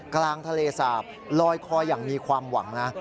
กลางทะเลสาบลอยคออย่างมีความหวังนะ